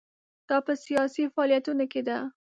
دا په سیاسي فعالیتونو کې ده.